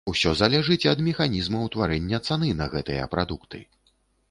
Усё залежыць ад механізма ўтварэння цаны на гэтыя прадукты.